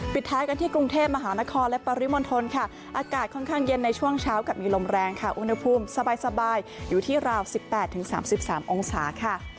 ท้ายกันที่กรุงเทพมหานครและปริมณฑลค่ะอากาศค่อนข้างเย็นในช่วงเช้ากับมีลมแรงค่ะอุณหภูมิสบายอยู่ที่ราว๑๘๓๓องศาค่ะ